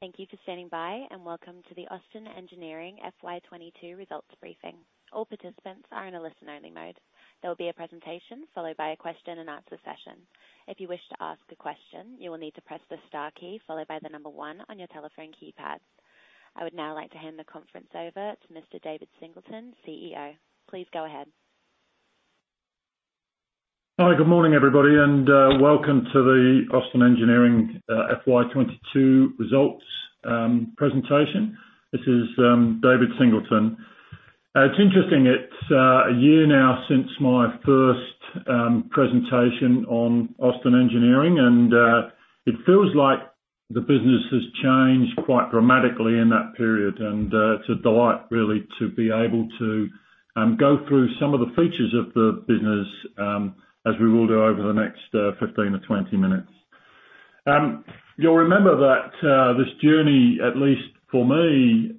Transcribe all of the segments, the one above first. Thank you for standing by, and welcome to the Austin Engineering FY 2022 Results briefing. All participants are in a listen-only mode. There will be a presentation followed by a question-and-answer session. If you wish to ask a question, you will need to press the star key followed by the number one on your telephone keypad. I would now like to hand the conference over to Mr. David Singleton, CEO. Please go ahead. Hi. Good morning, everybody, and welcome to the Austin Engineering FY 2022 results presentation. This is David Singleton. It's interesting. It's a year now since my first presentation on Austin Engineering and it feels like the business has changed quite dramatically in that period. It's a delight really to be able to go through some of the features of the business as we will do over the next 15-20 minutes. You'll remember that this journey, at least for me,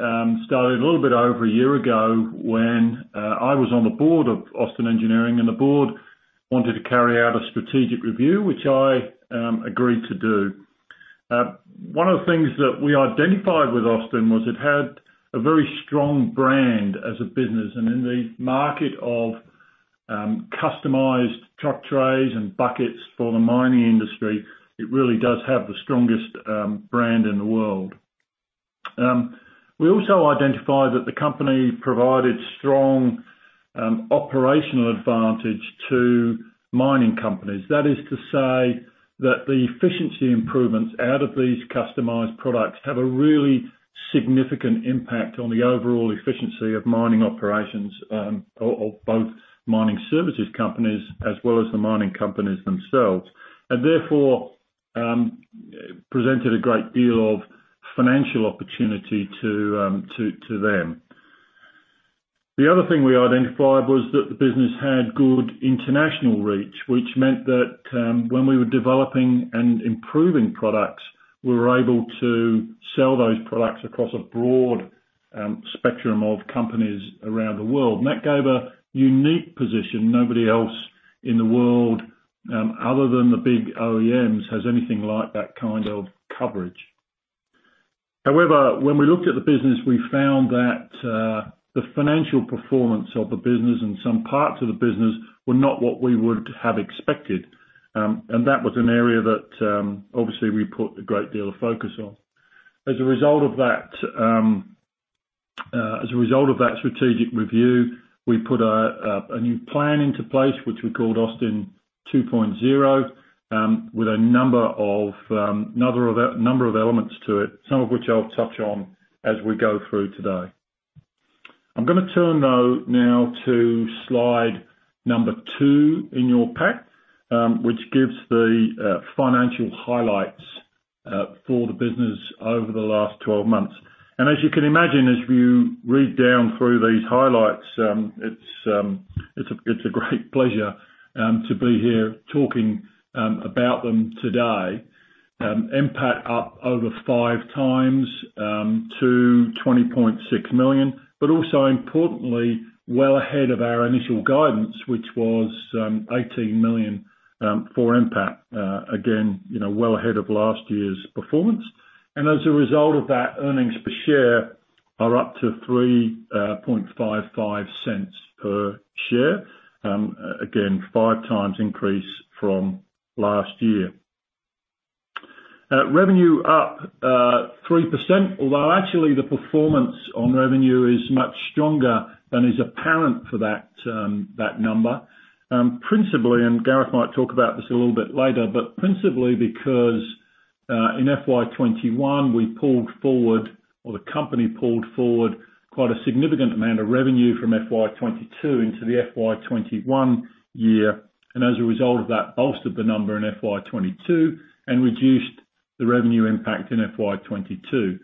started a little bit over a year ago when I was on the board of Austin Engineering, and the board wanted to carry out a strategic review, which I agreed to do. One of the things that we identified with Austin was it had a very strong brand as a business. In the market of customized truck trays and buckets for the mining industry, it really does have the strongest brand in the world. We also identified that the company provided strong operational advantage to mining companies. That is to say that the efficiency improvements out of these customized products have a really significant impact on the overall efficiency of mining operations, of both mining services companies as well as the mining companies themselves. Therefore, presented a great deal of financial opportunity to them. The other thing we identified was that the business had good international reach, which meant that when we were developing and improving products, we were able to sell those products across a broad spectrum of companies around the world. That gave a unique position. Nobody else in the world, other than the big OEMs, has anything like that kind of coverage. However, when we looked at the business, we found that the financial performance of the business and some parts of the business were not what we would have expected. That was an area that obviously we put a great deal of focus on. As a result of that strategic review, we put a new plan into place, which we called Austin 2.0, with a number of elements to it, some of which I'll touch on as we go through today. I'm gonna turn though now to slide number two in your pack, which gives the financial highlights for the business over the last 12 months. As you can imagine, as you read down through these highlights, it's a great pleasure to be here talking about them today. NPAT up over 5x to 20.6 million, but also importantly, well ahead of our initial guidance, which was 18 million for NPAT. Again, you know, well ahead of last year's performance. As a result of that, earnings per share are up to 0.0355 per share. Again, 5x increase from last year. Revenue up 3%, although actually the performance on revenue is much stronger than is apparent for that number. Principally, and Gareth might talk about this a little bit later, but principally because, in FY 2021, we pulled forward, or the company pulled forward quite a significant amount of revenue from FY 2022 into the FY 2021 year, and as a result of that, bolstered the number in FY 2022 and reduced the revenue impact in FY 2022.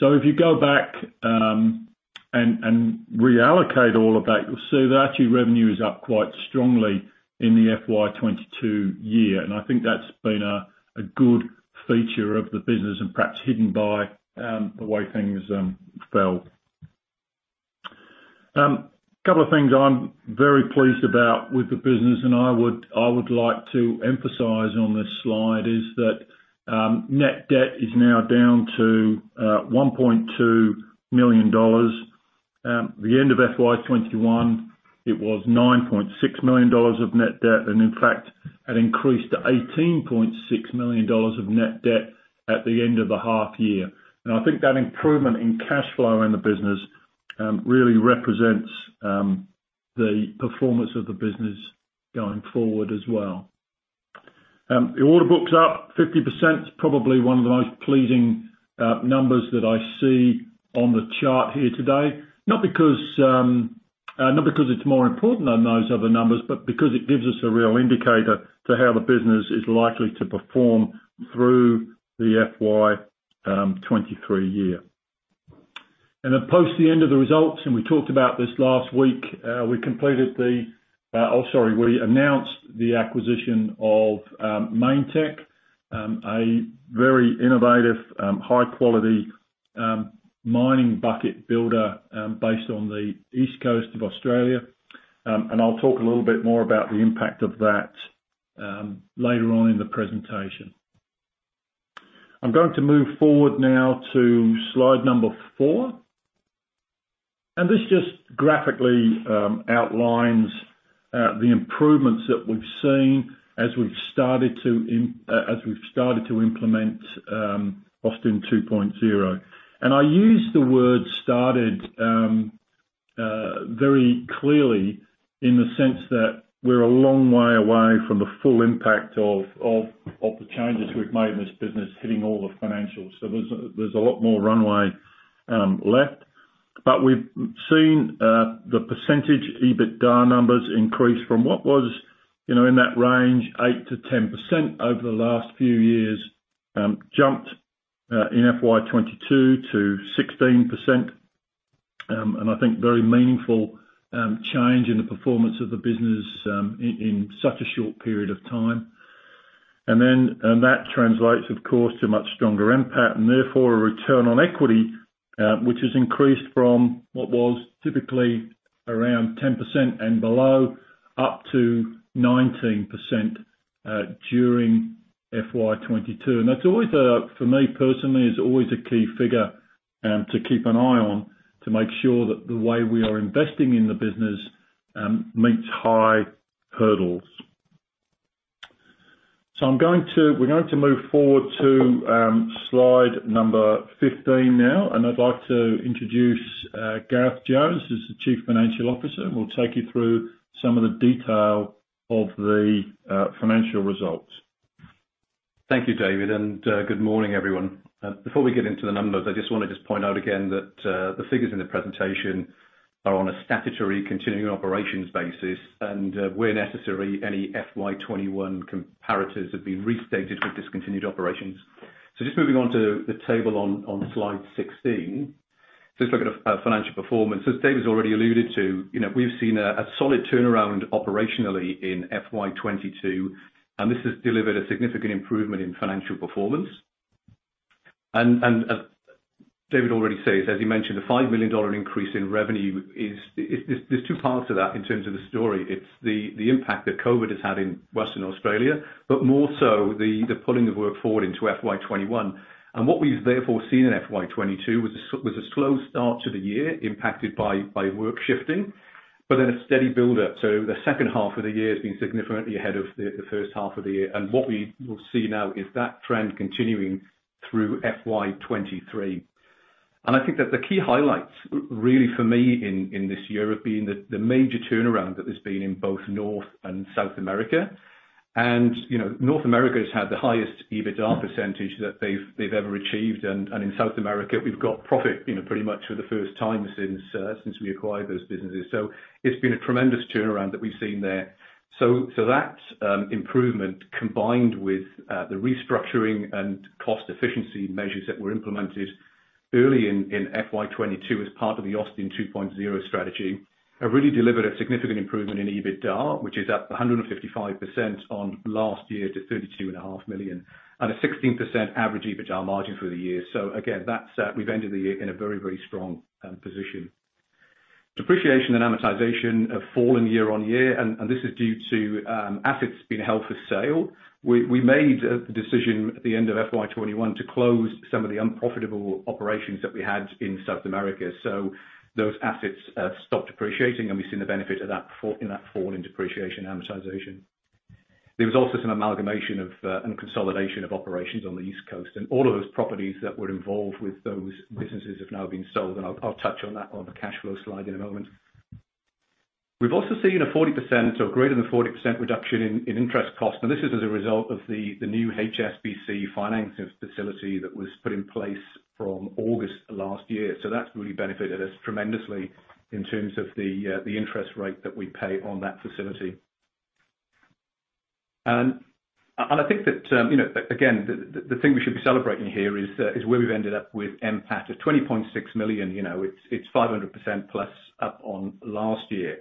If you go back and reallocate all of that, you'll see that actually revenue is up quite strongly in the FY 2022 year. I think that's been a good feature of the business and perhaps hidden by the way things fell. Couple of things I'm very pleased about with the business, and I would like to emphasize on this slide, is that net debt is now down to 1.2 million dollars. At the end of FY 2021, it was 9.6 million dollars of net debt, and in fact, had increased to 18.6 million dollars of net debt at the end of the half year. I think that improvement in cash flow in the business really represents the performance of the business going forward as well. The order books up 50%. It's probably one of the most pleasing numbers that I see on the chart here today. Not because it's more important than those other numbers, but because it gives us a real indicator to how the business is likely to perform through the FY 2023 year. Post the end of the results, and we talked about this last week, we completed the. Sorry, we announced the acquisition of Mainetec, a very innovative, high quality, mining bucket builder, based on the East Coast of Australia. I'll talk a little bit more about the impact of that later on in the presentation. I'm going to move forward now to slide number four. This just graphically outlines the improvements that we've seen as we've started to implement Austin 2.0. I use the word started very clearly in the sense that we're a long way away from the full impact of the changes we've made in this business hitting all the financials. There's a lot more runway left. We've seen the percentage EBITDA numbers increase from what was, you know, in that range 8%-10% over the last few years, jumped in FY 2022 to 16%. I think very meaningful change in the performance of the business, in such a short period of time. That translates, of course, to much stronger NPAT and therefore a return on equity, which has increased from what was typically around 10% and below, up to 19%, during FY 2022. That's always, for me personally, a key figure to keep an eye on, to make sure that the way we are investing in the business meets high hurdles. We're going to move forward to slide number 15 now, and I'd like to introduce Gareth Jones, who's the Chief Financial Officer, who will take you through some of the detail of the financial results. Thank you, David, and good morning, everyone. Before we get into the numbers, I just wanna point out again that the figures in the presentation are on a statutory continuing operations basis, and where necessary, any FY 2021 comparators have been restated for discontinued operations. Just moving on to the table on slide 16. Let's look at financial performance. As David's already alluded to, you know, we've seen a solid turnaround operationally in FY 2022, and this has delivered a significant improvement in financial performance. David already says, as he mentioned, the 5 million dollar increase in revenue is, there's two parts to that in terms of the story. It's the impact that COVID has had in Western Australia, but more so the pulling of work forward into FY 2021. What we've therefore seen in FY 2022 was a slow start to the year, impacted by work shifting, but then a steady build up. The second half of the year has been significantly ahead of the first half of the year. What we will see now is that trend continuing through FY 2023. I think that the key highlights really for me in this year have been the major turnaround that there's been in both North and South America. You know, North America has had the highest EBITDA percentage that they've ever achieved. And in South America, we've got profit, you know, pretty much for the first time since we acquired those businesses. It's been a tremendous turnaround that we've seen there. That improvement, combined with the restructuring and cost efficiency measures that were implemented early in FY 2022 as part of the Austin 2.0 strategy, have really delivered a significant improvement in EBITDA, which is up 155% on last year to 32.5 million, and a 16% average EBITDA margin for the year. Again, that's we've ended the year in a very strong position. Depreciation and amortization have fallen year-on-year, and this is due to assets being held for sale. We made a decision at the end of FY 2021 to close some of the unprofitable operations that we had in South America. Those assets stopped depreciating, and we've seen the benefit of that fall in depreciation and amortization. There was also some amalgamation of and consolidation of operations on the East Coast. All of those properties that were involved with those businesses have now been sold, and I'll touch on that on the cash flow slide in a moment. We've also seen a 40% or greater than 40% reduction in interest costs, and this is as a result of the new HSBC financing facility that was put in place from August last year. That's really benefited us tremendously in terms of the interest rate that we pay on that facility. And I think that, you know, again, the thing we should be celebrating here is where we've ended up with NPAT of 20.6 million. You know, it's 500%+ up on last year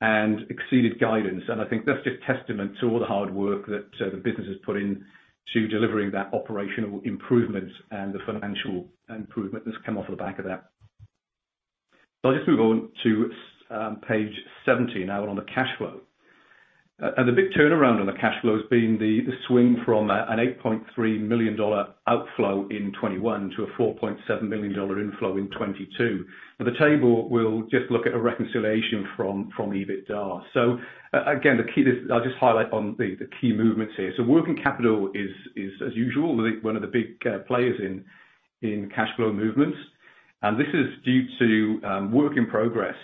and exceeded guidance. I think that's just testament to all the hard work that the business has put in to delivering that operational improvement and the financial improvement that's come off the back of that. I'll just move on to page 17 now on the cash flow. The big turnaround on the cash flow has been the swing from an 8.3 million dollar outflow in 2021 to an 4.7 million dollar inflow in 2022. Now the table will just look at a reconciliation from EBITDA. I'll just highlight the key movements here. Working capital is as usual one of the big players in cash flow movements. This is due to work in progress.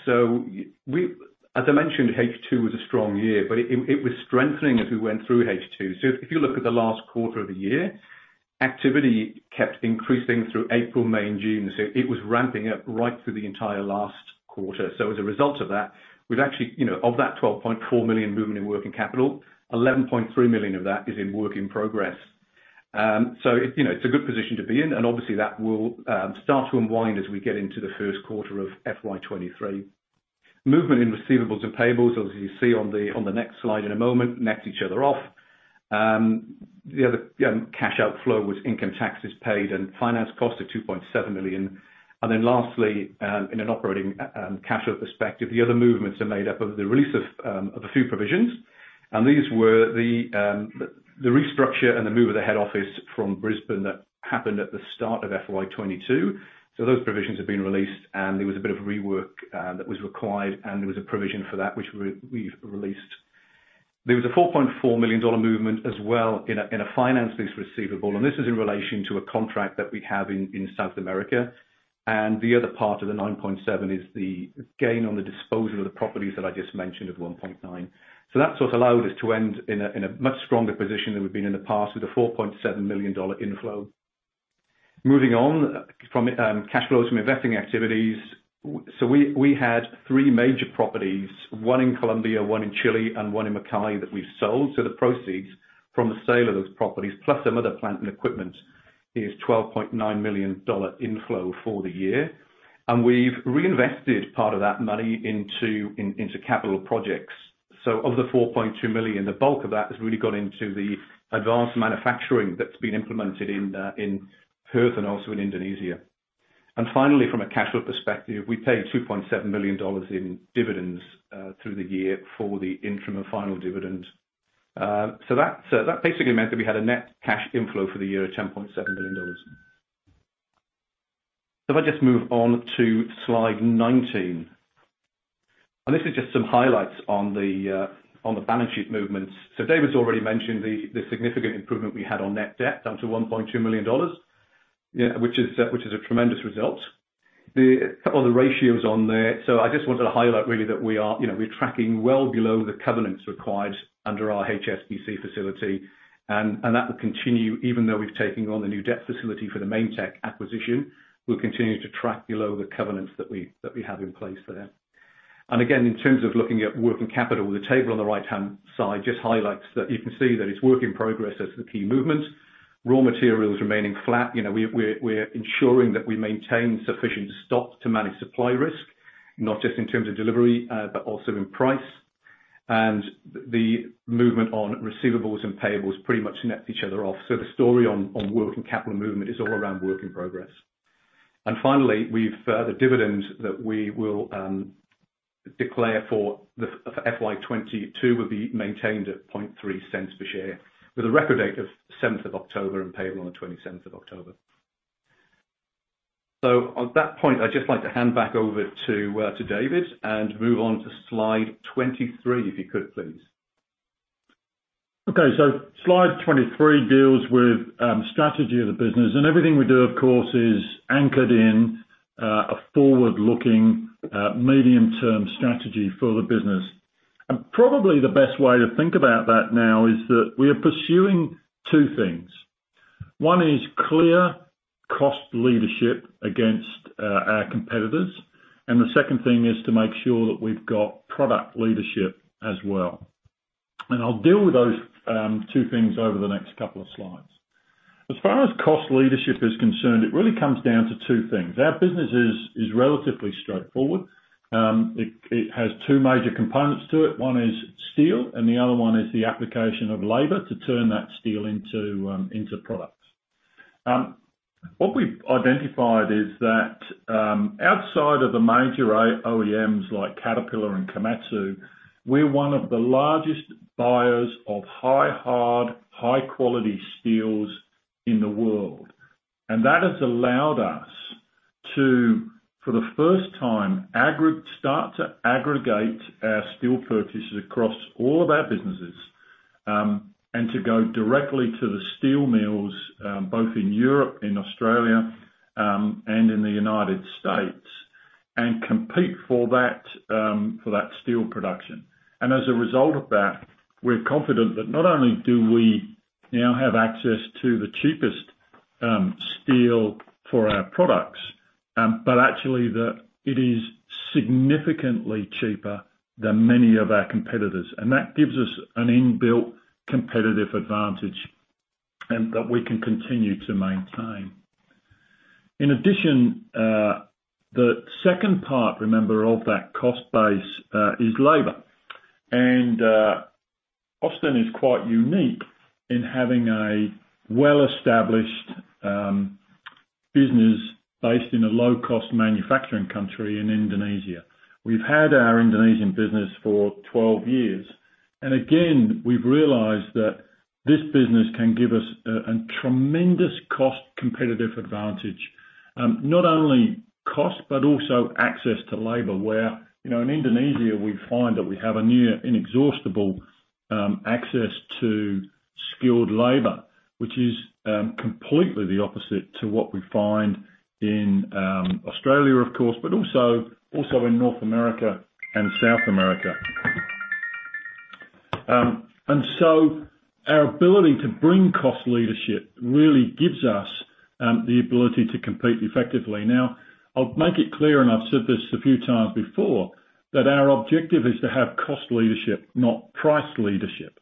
As I mentioned, H2 was a strong year, but it was strengthening as we went through H2. If you look at the last quarter of the year, activity kept increasing through April, May, and June. It was ramping up right through the entire last quarter. As a result of that, we've actually, you know, of that 12.4 million movement in working capital, 11.3 million of that is in work in progress. So it, you know, it's a good position to be in and obviously that will start to unwind as we get into the first quarter of FY 2023. Movement in receivables and payables, obviously you see on the next slide in a moment, net each other off. The other cash outflow was income taxes paid and finance costs of 2.7 million. In an operating cash flow perspective, the other movements are made up of the release of a few provisions. These were the restructure and the move of the head office from Brisbane that happened at the start of FY 2022. Those provisions have been released, and there was a bit of rework that was required, and there was a provision for that which we've released. There was a 4.4 million dollar movement as well in a finance lease receivable, and this is in relation to a contract that we have in South America. The other part of the 9.7 is the gain on the disposal of the properties that I just mentioned of 1.9. That's what allowed us to end in a much stronger position than we've been in the past with a 4.7 million dollar inflow. Moving on from cash flows from investing activities. We had three major properties, one in Colombia, one in Chile, and one in Mackay that we've sold. The proceeds from the sale of those properties, plus some other plant and equipment, is 12.9 million dollar inflow for the year. We've reinvested part of that money into capital projects. Of the 4.2 million, the bulk of that has really gone into the advanced manufacturing that's been implemented in Perth and also in Indonesia. Finally, from a cash flow perspective, we paid 2.7 million dollars in dividends through the year for the interim and final dividend. That basically meant that we had a net cash inflow for the year of 10.7 million dollars. If I just move on to slide 19. This is just some highlights on the balance sheet movements. David's already mentioned the significant improvement we had on net debt, down to 1.2 million dollars. Yeah, which is a tremendous result. A couple of the ratios on there. I just wanted to highlight really that we are, you know, we're tracking well below the covenants required under our HSBC facility. That will continue even though we've taken on the new debt facility for the Mainetec acquisition. We'll continue to track below the covenants that we have in place there. Again, in terms of looking at working capital, the table on the right-hand side just highlights that. You can see that it's work in progress as the key movement. Raw materials remaining flat. You know, we're ensuring that we maintain sufficient stock to manage supply risk, not just in terms of delivery, but also in price. The movement on receivables and payables pretty much net each other off. The story on working capital movement is all around work in progress. Finally, we've the dividend that we will declare for FY 2022 will be maintained at 0.003 per share with a record date of 7th of October and payable on the 27th of October. At that point, I'd just like to hand back over to David and move on to slide 23, if you could please. Okay, slide 23 deals with strategy of the business. Everything we do, of course, is anchored in a forward-looking medium-term strategy for the business. Probably the best way to think about that now is that we are pursuing two things. One is clear cost leadership against our competitors, and the second thing is to make sure that we've got product leadership as well. I'll deal with those two things over the next couple of slides. As far as cost leadership is concerned, it really comes down to two things. Our business is relatively straightforward. It has two major components to it. One is steel, and the other one is the application of labor to turn that steel into products. What we've identified is that, outside of the major OEMs like Caterpillar and Komatsu, we're one of the largest buyers of high-hardness, high quality steels in the world. That has allowed us to, for the first time, start to aggregate our steel purchases across all of our businesses, and to go directly to the steel mills, both in Europe and Australia, and in the United States, and compete for that steel production. As a result of that, we're confident that not only do we now have access to the cheapest steel for our products, but actually that it is significantly cheaper than many of our competitors. That gives us an inbuilt competitive advantage that we can continue to maintain. In addition, the second part, remember, of that cost base is labor. Austin is quite unique in having a well-established business based in a low-cost manufacturing country in Indonesia. We've had our Indonesian business for 12 years. We've realized that this business can give us a tremendous cost competitive advantage, not only cost but also access to labor, where, you know, in Indonesia, we find that we have a near inexhaustible access to skilled labor, which is completely the opposite to what we find in Australia, of course, but also in North America and South America. Our ability to bring cost leadership really gives us the ability to compete effectively. Now, I'll make it clear, and I've said this a few times before, that our objective is to have cost leadership, not price leadership.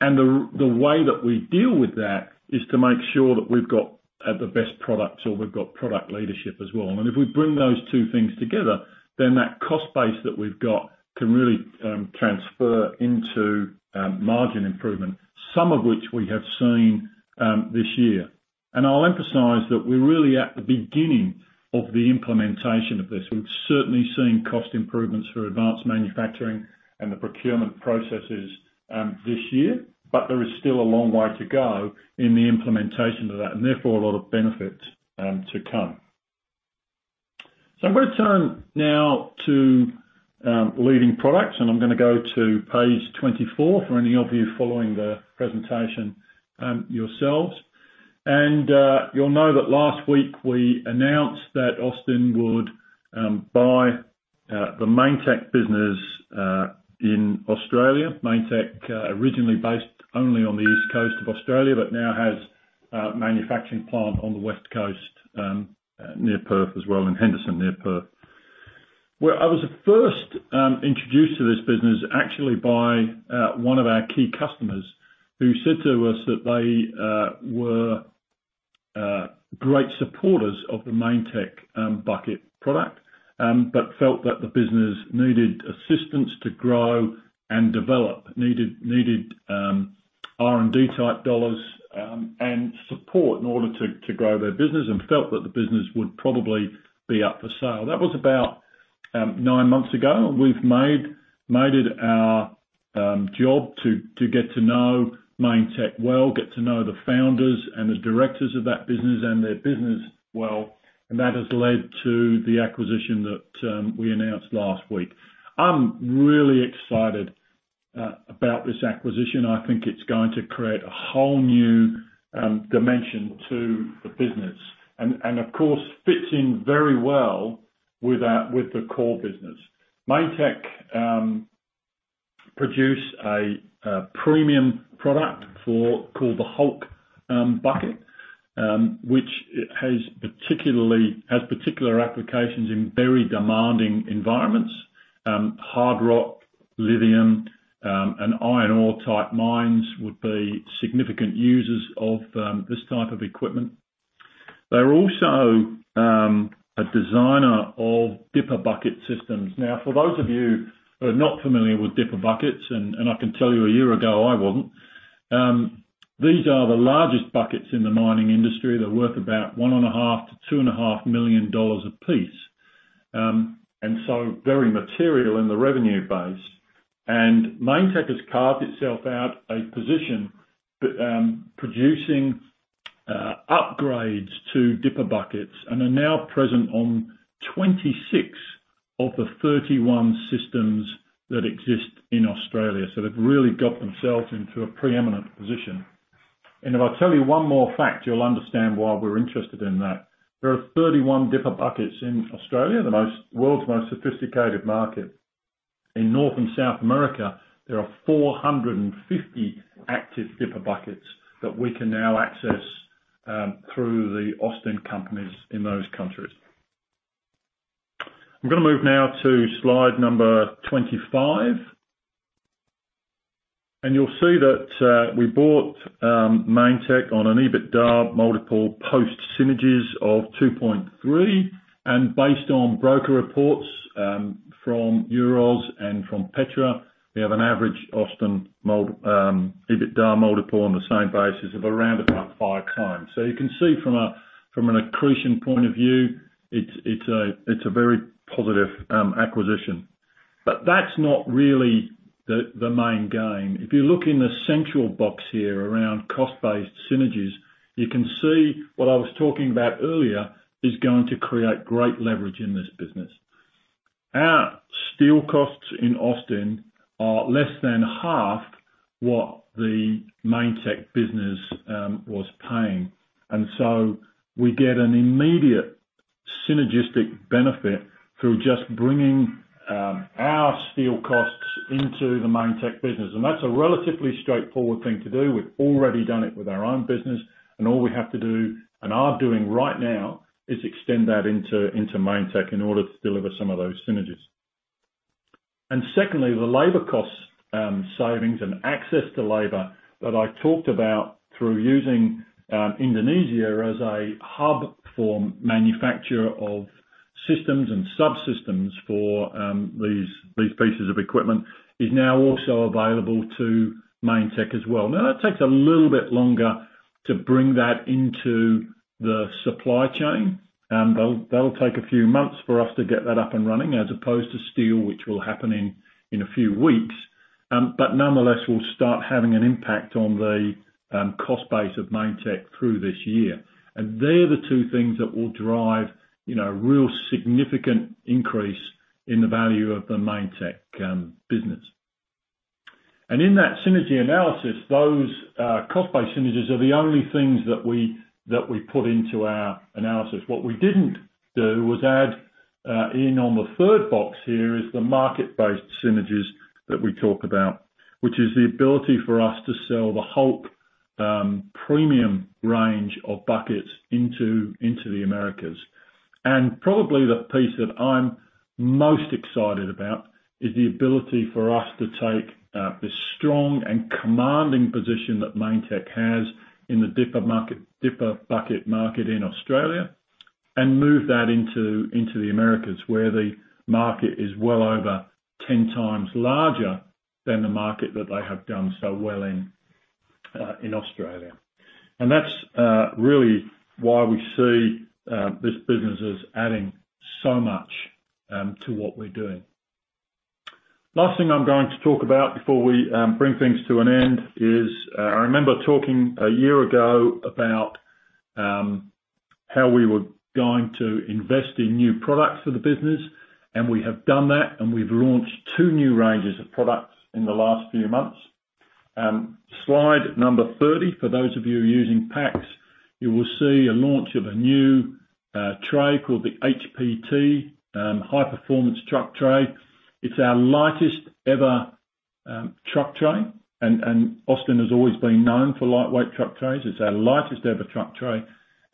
The way that we deal with that is to make sure that we've got the best products or we've got product leadership as well. If we bring those two things together, then that cost base that we've got can really transfer into margin improvement, some of which we have seen this year. I'll emphasize that we're really at the beginning of the implementation of this. We've certainly seen cost improvements for advanced manufacturing and the procurement processes this year. There is still a long way to go in the implementation of that, and therefore, a lot of benefit to come. I'm gonna turn now to leading products, and I'm gonna go to page 24 for any of you following the presentation yourselves. You'll know that last week we announced that Austin would buy the Mainetec business in Australia. Mainetec originally based only on the East Coast of Australia, but now has a manufacturing plant on the West Coast near Perth as well, and Henderson near Perth. Where I was first introduced to this business, actually, by one of our key customers, who said to us that they were great supporters of the Mainetec bucket product, but felt that the business needed assistance to grow and develop. Needed R&D type dollars and support in order to grow their business and felt that the business would probably be up for sale. That was about nine months ago. We've made it our job to get to know Mainetec well, get to know the founders and the directors of that business and their business well, and that has led to the acquisition that we announced last week. I'm really excited about this acquisition. I think it's going to create a whole new dimension to the business and of course fits in very well with the core business. Mainetec produce a premium product called the Hulk bucket, which has particular applications in very demanding environments. Hard rock, lithium, and iron ore-type mines would be significant users of this type of equipment. They're also a designer of dipper bucket systems. Now, for those of you who are not familiar with dipper buckets, and I can tell you a year ago, I wasn't. These are the largest buckets in the mining industry. They're worth about 1.5 million-2.5 million dollars apiece. Very material in the revenue base. Mainetec has carved itself out a position, producing upgrades to dipper buckets, and are now present on 26 of the 31 systems that exist in Australia. They've really got themselves into a preeminent position. If I tell you one more fact, you'll understand why we're interested in that. There are 31 dipper buckets in Australia, world's most sophisticated market. In North and South America, there are 450 active dipper buckets that we can now access through the Austin companies in those countries. I'm gonna move now to slide number 25. You'll see that we bought Mainetec on an EBITDA multiple post synergies of 2.3x. Based on broker reports from Euroz and from Petra, we have an average Austin EBITDA multiple on the same basis of around about 5x. You can see from an accretion point of view, it's a very positive acquisition. That's not really the main game. If you look in the central box here around cost-based synergies, you can see what I was talking about earlier is going to create great leverage in this business. Our steel costs in Austin are less than half what the Mainetec business was paying. We get an immediate synergistic benefit through just bringing our steel costs into the Mainetec business. That's a relatively straightforward thing to do. We've already done it with our own business, and all we have to do, and are doing right now, is extend that into Mainetec in order to deliver some of those synergies. Secondly, the labor cost savings and access to labor that I talked about through using Indonesia as a hub for manufacture of systems and subsystems for these pieces of equipment is now also available to Mainetec as well. Now, that takes a little bit longer to bring that into the supply chain. That'll take a few months for us to get that up and running, as opposed to steel, which will happen in a few weeks. But nonetheless, we'll start having an impact on the cost base of Mainetec through this year. They're the two things that will drive, you know, real significant increase in the value of the Mainetec business. In that synergy analysis, those cost-based synergies are the only things that we put into our analysis. What we didn't do was add in the third box here, the market-based synergies that we talk about. Which is the ability for us to sell the Hulk premium range of buckets into the Americas. Probably the piece that I'm most excited about is the ability for us to take the strong and commanding position that Mainetec has in the dipper bucket market in Australia and move that into the Americas where the market is well over 10x larger than the market that they have done so well in Australia. That's really why we see this business as adding so much to what we're doing. Last thing I'm going to talk about before we bring things to an end is I remember talking a year ago about how we were going to invest in new products for the business, and we have done that, and we've launched two new ranges of products in the last few months. Slide number 30, for those of you using packs, you will see a launch of a new tray called the HPT, High Performance Truck Tray. It's our lightest ever truck tray and Austin has always been known for lightweight truck trays. It's our lightest ever truck tray.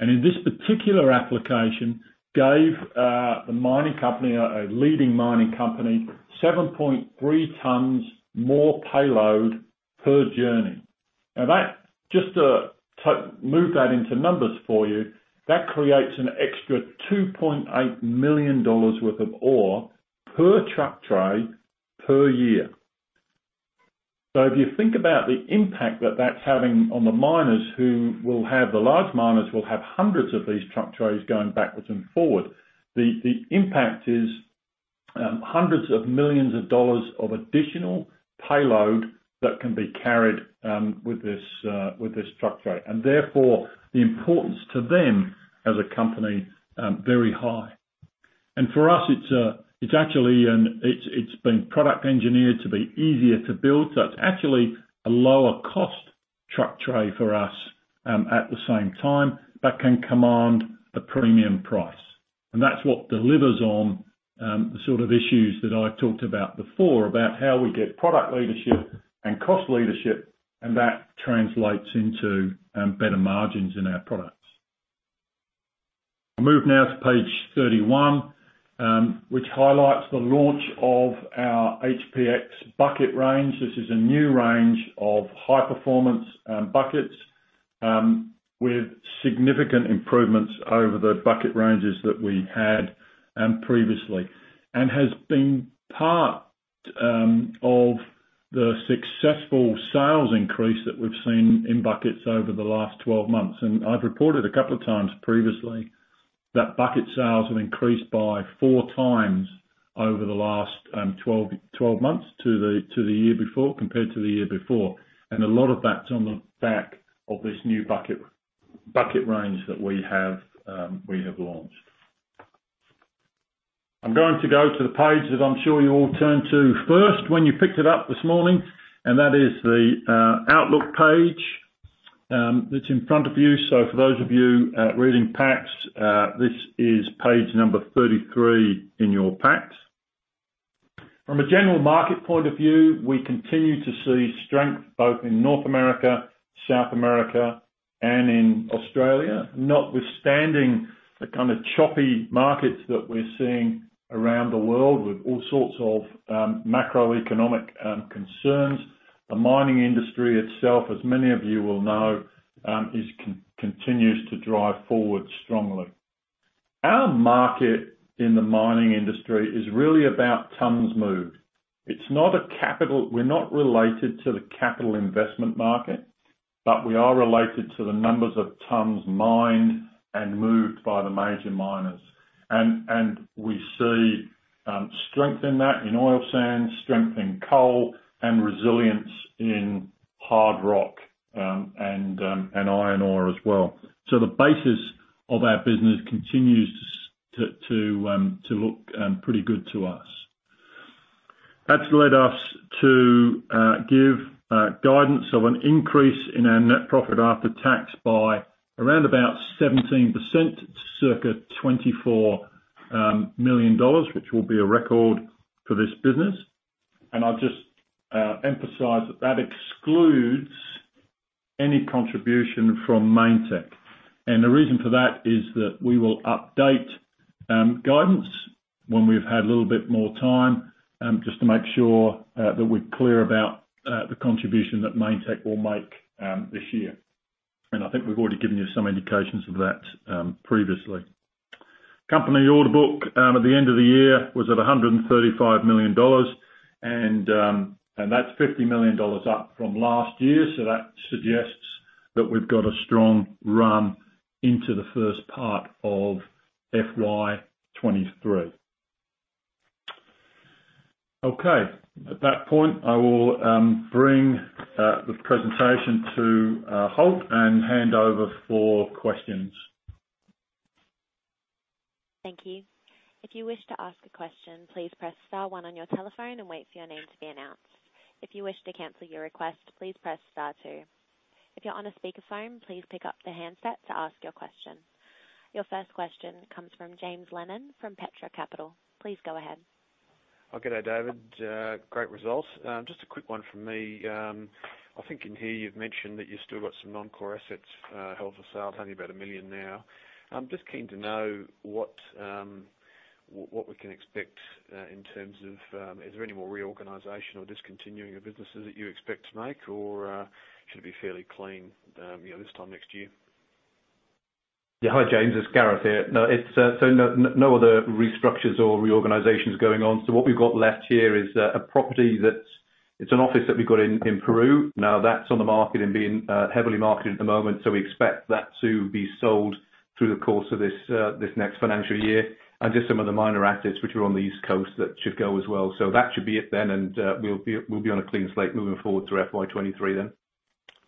In this particular application gave a leading mining company 7.3 tons more payload per journey. Now, just to put that into numbers for you, that creates an extra 2.8 million dollars worth of ore per truck tray per year. If you think about the impact that's having on the miners. The large miners will have hundreds of these truck trays going backwards and forward. The impact is hundreds of millions of Australian Dollars of additional payload that can be carried with this truck tray. Therefore, the importance to them as a company very high. For us, it's actually been product engineered to be easier to build. It's actually a lower cost truck tray for us at the same time that can command a premium price. That's what delivers on the sort of issues that I talked about before, about how we get product leadership and cost leadership, and that translates into better margins in our products. Move now to page 31, which highlights the launch of our HPX bucket range. This is a new range of high-performance buckets with significant improvements over the bucket ranges that we had previously. It has been part of the successful sales increase that we've seen in buckets over the last 12 months. I've reported a couple of times previously that bucket sales have increased by 4x over the last 12 months to the year before, compared to the year before. A lot of that's on the back of this new bucket range that we have launched. I'm going to go to the page that I'm sure you all turned to first when you picked it up this morning, and that is the outlook page that's in front of you. For those of you reading packs, this is page number 33 in your packs. From a general market point of view, we continue to see strength both in North America, South America, and in Australia. Notwithstanding the kind of choppy markets that we're seeing around the world with all sorts of macroeconomic concerns. The mining industry itself, as many of you will know, continues to drive forward strongly. Our market in the mining industry is really about tons moved. It's not related to the capital investment market, but we are related to the numbers of tons mined and moved by the major miners. We see strength in that in oil sands, strength in coal, and resilience in hard rock, and iron ore as well. The basis of our business continues to look pretty good to us. That's led us to give guidance of an increase in our net profit after tax by around about 17%, circa 24 million dollars, which will be a record for this business. I'll just emphasize that that excludes any contribution from Mainetec. The reason for that is that we will update guidance when we've had a little bit more time, just to make sure that we're clear about the contribution that Mainetec will make this year. I think we've already given you some indications of that previously. Company order book at the end of the year was at 135 million dollars and that's 50 million dollars up from last year. That suggests that we've got a strong run into the first part of FY 2023. Okay. At that point, I will bring the presentation to a halt and hand over for questions. Thank you. If you wish to ask a question, please press star one on your telephone and wait for your name to be announced. If you wish to cancel your request, please press star two. If you're on a speakerphone, please pick up the handset to ask your question. Your first question comes from James Lennon from Petra Capital. Please go ahead. Oh, good day, David. Great results. Just a quick one from me. I think in here you've mentioned that you've still got some non-core assets, held for sale, telling me about 1 million now. I'm just keen to know what. What we can expect in terms of is there any more reorganization or discontinuing of businesses that you expect to make, or should it be fairly clean, you know, this time next year? Hi, James. It's Gareth here. No other restructures or reorganizations going on. What we've got left here is a property. It's an office that we got in Peru. Now that's on the market and being heavily marketed at the moment, so we expect that to be sold through the course of this next financial year and just some of the minor assets which are on the East Coast that should go as well. That should be it then. We'll be on a clean slate moving forward through FY 2023 then.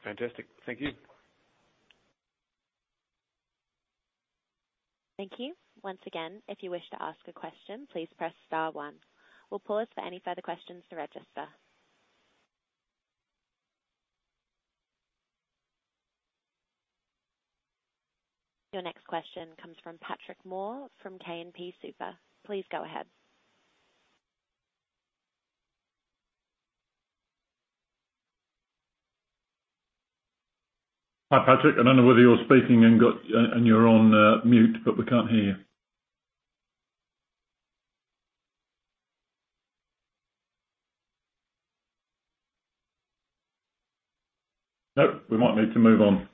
Fantastic. Thank you. Thank you. Once again, if you wish to ask a question, please press star one. We'll pause for any further questions to register. Your next question comes from Patrick Moore from [KMP Super]. Please go ahead. Hi, Patrick. I don't know whether you're speaking and you're on mute, but we can't hear you. Nope, we might need to move on.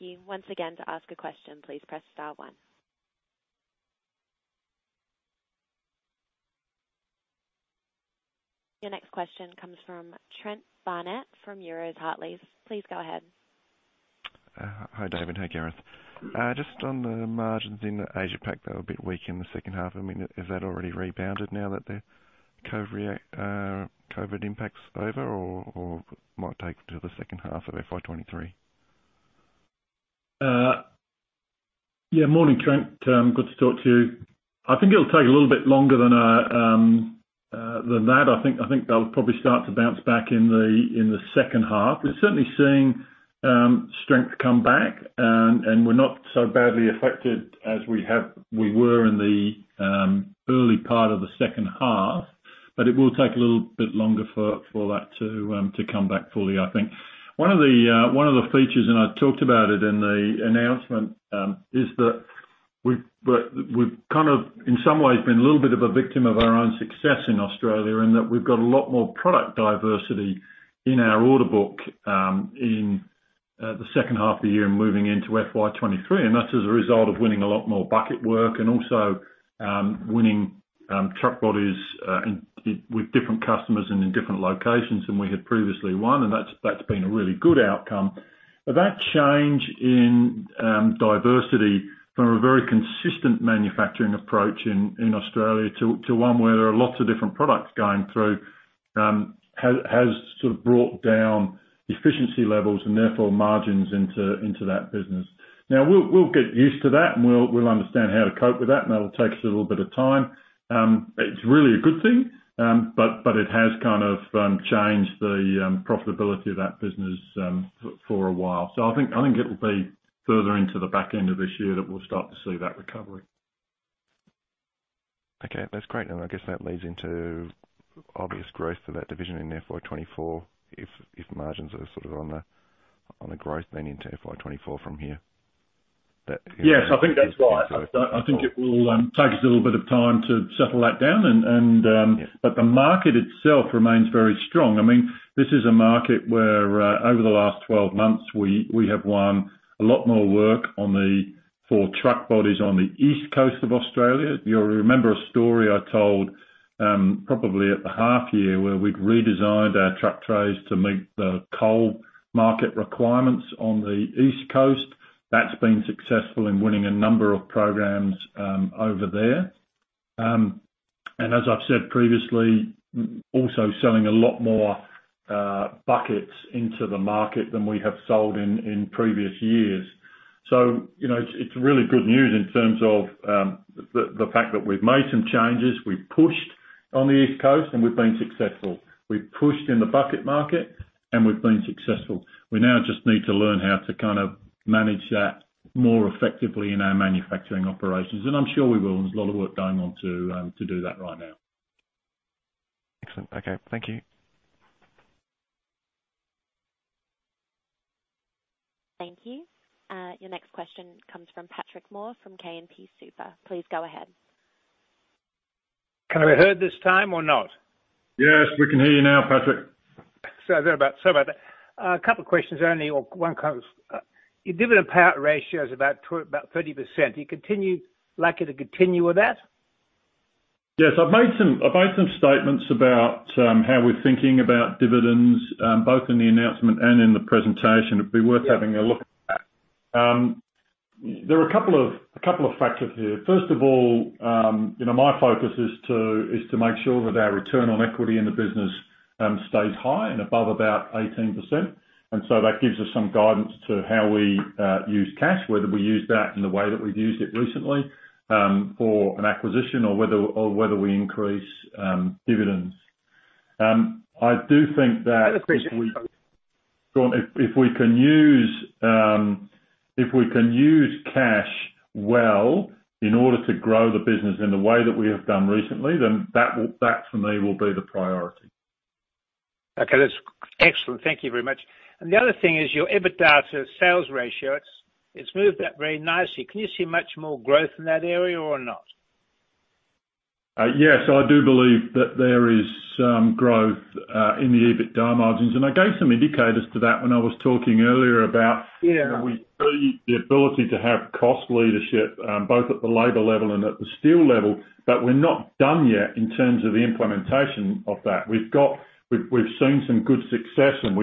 Thank you. Once again, to ask a question, please press star one. Your next question comes from Trent Barnett from Euroz Hartleys. Please go ahead. Hi, David. Hi, Gareth. Just on the margins in Asia Pac, they were a bit weak in the second half. I mean, is that already rebounded now that the COVID impact's over or it might take till the second half of FY 2023? Yeah. Morning, Trent. Good to talk to you. I think it'll take a little bit longer than that. I think they'll probably start to bounce back in the second half. We're certainly seeing strength come back, and we're not so badly affected as we were in the early part of the second half, but it will take a little bit longer for that to come back fully, I think. One of the features, and I talked about it in the announcement, is that we've kind of in some ways been a little bit of a victim of our own success in Australia in that we've got a lot more product diversity in our order book, in the second half of the year and moving into FY 2023, and that's as a result of winning a lot more bucket work and also winning truck bodies in with different customers and in different locations than we had previously won. That's been a really good outcome. That change in diversity from a very consistent manufacturing approach in Australia to one where there are lots of different products going through has sort of brought down efficiency levels and therefore margins into that business. Now we'll get used to that and we'll understand how to cope with that and that'll take us a little bit of time. It's really a good thing, but it has kind of changed the profitability of that business for a while. I think it'll be further into the back end of this year that we'll start to see that recovery. Okay, that's great. I guess that leads into obvious growth for that division in FY 2024 if margins are sort of on the growth then into FY 2024 from here. Yes, I think that's right. I think it will take us a little bit of time to settle that down. Yes. The market itself remains very strong. I mean, this is a market where, over the last 12 months, we have won a lot more work for truck bodies on the East Coast of Australia. You'll remember a story I told, probably at the half year where we'd redesigned our truck trays to meet the coal market requirements on the East Coast. That's been successful in winning a number of programs over there. And as I've said previously, I'm also selling a lot more buckets into the market than we have sold in previous years. You know, it's really good news in terms of the fact that we've made some changes. We've pushed on the East Coast and we've been successful. We've pushed in the bucket market and we've been successful. We now just need to learn how to kind of manage that more effectively in our manufacturing operations, and I'm sure we will. There's a lot of work going on to do that right now. Excellent. Okay. Thank you. Thank you. Your next question comes from Patrick Moore from [KMP Super]. Please go ahead. Can I be heard this time or not? Yes, we can hear you now, Patrick. Sorry about that. A couple questions only or one kind of your dividend payout ratio is about 30%. Are you likely to continue with that? Yes, I've made some statements about how we're thinking about dividends both in the announcement and in the presentation. It'd be worth having a look at that. There are a couple of factors here. First of all, you know, my focus is to make sure that our return on equity in the business stays high and above about 18%. That gives us some guidance to how we use cash, whether we use that in the way that we've used it recently for an acquisition or whether we increase dividends. I do think that if we Other question, sorry. Sure. If we can use cash well in order to grow the business in the way that we have done recently, then that for me will be the priority. Okay, that's excellent. Thank you very much. The other thing is your EBITDA to sales ratio. It's moved up very nicely. Can you see much more growth in that area or not? Yes. I do believe that there is some growth in the EBITDA margins, and I gave some indicators to that when I was talking earlier about. Yeah You know, we see the ability to have cost leadership both at the labor level and at the steel level, but we're not done yet in terms of the implementation of that. We've seen some good success, and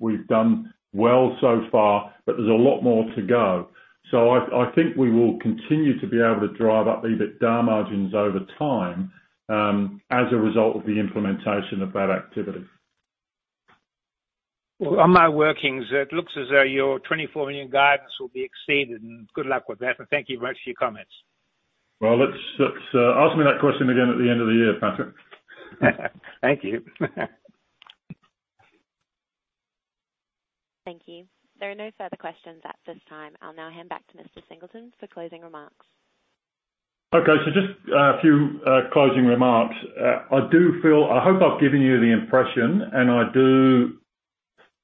we've done well so far, but there's a lot more to go. I think we will continue to be able to drive up EBITDA margins over time as a result of the implementation of that activity. Well, on my workings, it looks as though your 24 million guidance will be exceeded, and good luck with that. Thank you very much for your comments. Well, let's ask me that question again at the end of the year, Patrick. Thank you. Thank you. There are no further questions at this time. I'll now hand back to Mr. Singleton for closing remarks. Okay, just a few closing remarks. I do feel. I hope I've given you the impression, and I do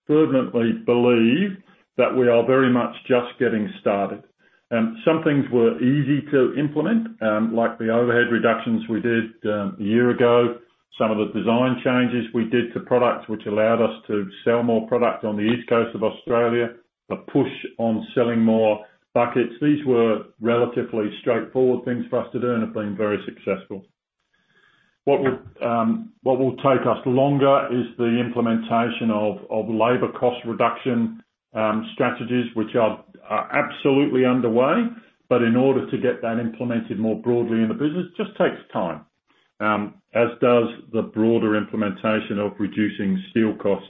fervently believe that we are very much just getting started. Some things were easy to implement, like the overhead reductions we did a year ago. Some of the design changes we did to products, which allowed us to sell more product on the East Coast of Australia. The push on selling more buckets. These were relatively straightforward things for us to do and have been very successful. What will take us longer is the implementation of labor cost reduction strategies which are absolutely underway. In order to get that implemented more broadly in the business, just takes time. As does the broader implementation of reducing steel costs,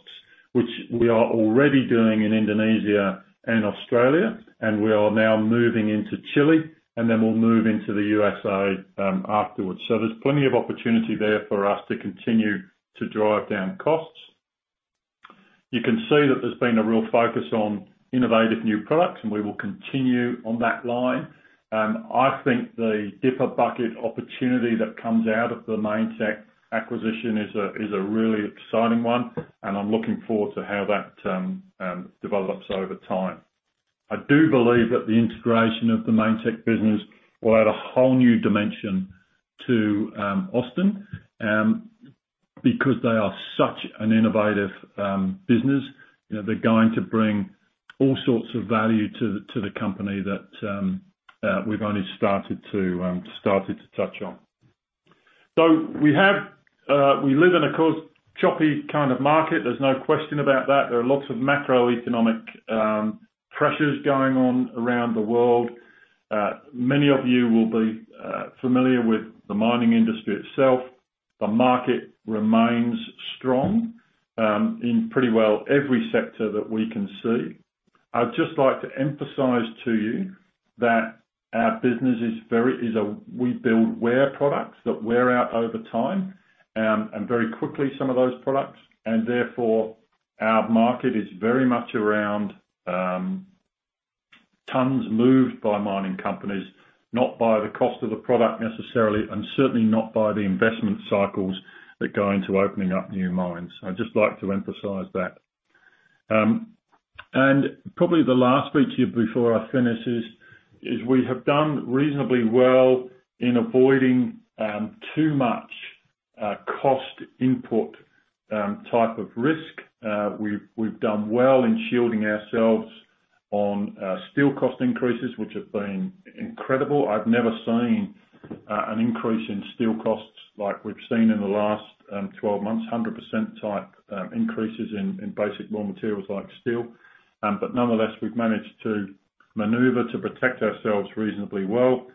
which we are already doing in Indonesia and Australia, and we are now moving into Chile, and then we'll move into the U.S.A., afterwards. There's plenty of opportunity there for us to continue to drive down costs. You can see that there's been a real focus on innovative new products, and we will continue on that line. I think the dipper bucket opportunity that comes out of the Mainetec acquisition is a really exciting one, and I'm looking forward to how that develops over time. I do believe that the integration of the Mainetec business will add a whole new dimension to Austin, because they are such an innovative business. You know, they're going to bring all sorts of value to the company that we've only started to touch on. We live in, of course, a choppy kind of market. There's no question about that. There are lots of macroeconomic pressures going on around the world. Many of you will be familiar with the mining industry itself. The market remains strong in pretty well every sector that we can see. I'd just like to emphasize to you that our business is. We build wear products that wear out over time, and very quickly, some of those products. Therefore, our market is very much around tons moved by mining companies, not by the cost of the product necessarily, and certainly not by the investment cycles that go into opening up new mines. I'd just like to emphasize that. Probably the last bit here before I finish is we have done reasonably well in avoiding too much cost input type of risk. We've done well in shielding ourselves on steel cost increases, which have been incredible. I've never seen an increase in steel costs like we've seen in the last 12 months. 100% type increases in basic raw materials like steel. But nonetheless, we've managed to maneuver to protect ourselves reasonably well.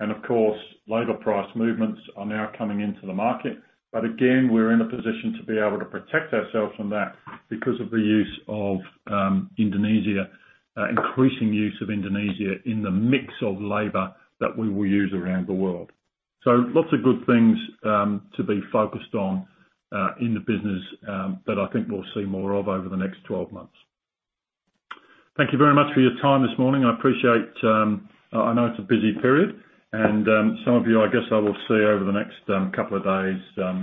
Of course, labor price movements are now coming into the market. Again, we're in a position to be able to protect ourselves from that because of the use of Indonesia. Increasing use of Indonesia in the mix of labor that we will use around the world. Lots of good things to be focused on in the business that I think we'll see more of over the next 12 months. Thank you very much for your time this morning. I appreciate. I know it's a busy period and some of you, I guess, I will see over the next couple of days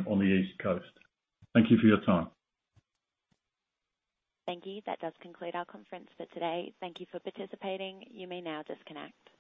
on the East Coast. Thank you for your time. Thank you. That does conclude our conference for today. Thank you for participating. You may now disconnect.